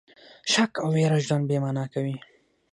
شک او ویره ژوند بې مانا کوي.